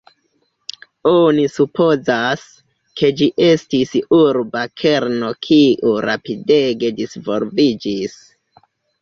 Oni supozas, ke ĝi estis urba kerno kiu rapidege disvolviĝis.